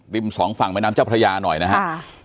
สองฝั่งแม่น้ำเจ้าพระยาหน่อยนะครับ